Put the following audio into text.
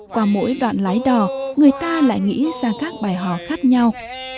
qua mỗi đoạn lái đò người ta lại nghĩ ra các bài hò khác nhau